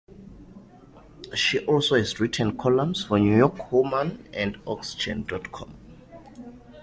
She also has written columns for "New York Woman" and "oxygen dot com".